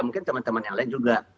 mungkin teman teman yang lain juga